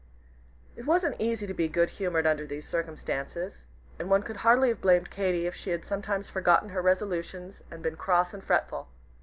It wasn't easy to be good humored under these circumstances, and one could hardly have blamed Katy if she had sometimes forgotten her resolutions and been cross and fretful.